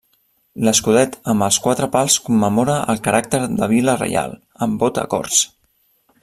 L'escudet amb els quatre pals commemora el caràcter de vila reial, amb vot a corts.